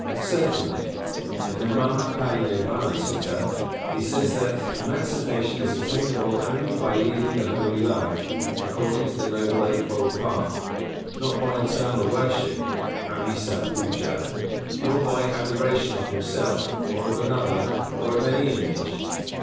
Certainly. In the Mahā Pari Nirvāna Sutta he says that emancipation is attainable only by leading the Holy life, according to the Noble Eight fold Path, not by eternal worship (āmisa pūjā), nor by adoration of himself, or of another, or of any image.